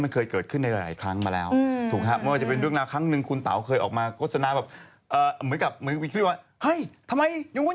เป็นโฆษณาไอติมหรืออะไรอย่างนั้น